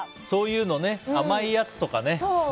そういう甘いやつとかね。